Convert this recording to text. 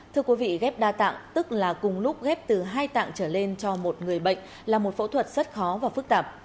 thưa quý vị ghép đa tạng tức là cùng lúc ghép từ hai tạng trở lên cho một người bệnh là một phẫu thuật rất khó và phức tạp